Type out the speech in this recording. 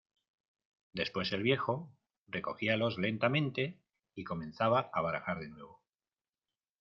después el viejo recogíalos lentamente y comenzaba a barajar de nuevo.